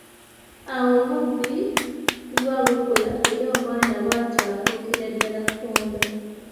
Awo obubbi buba bukula era omwana bwatyo afuukira ddala kkondo.